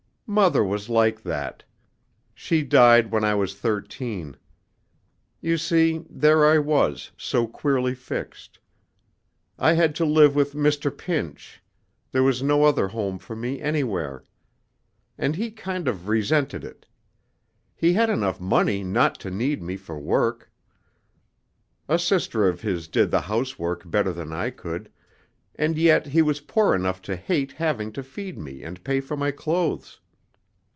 Mother was like that. She died when I was thirteen. You see there I was, so queerly fixed. I had to live with Mr. Pynche there was no other home for me anywhere. And he kind of resented it. He had enough money not to need me for work a sister of his did the housework better than I could and yet he was poor enough to hate having to feed me and pay for my clothes.